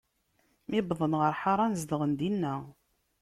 Mi wwḍen ɣer Ḥaṛan, zedɣen dinna.